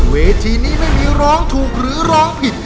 เวทีนี้ไม่มีร้องถูกหรือร้องผิด